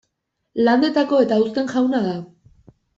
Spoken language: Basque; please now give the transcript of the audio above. Landetako eta uzten jauna da.